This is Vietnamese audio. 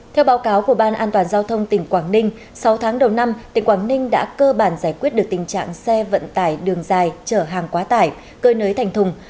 theo báo cáo của ban an toàn giao thông tỉnh quảng ninh sáu tháng đầu năm tỉnh quảng ninh đã cơ bản giải quyết được tình trạng xe vận tải đường dài trở hàng quá tải cơi nới thành thùng